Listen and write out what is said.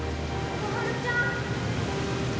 小春ちゃん！